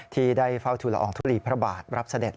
ที่ได้เฝ้าทุลอองทุลีพระบาทรับเสด็จ